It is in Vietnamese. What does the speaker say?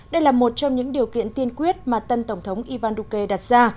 đây là một trong những điều kiện tiên quyết mà tân tổng thống ivan duque đặt ra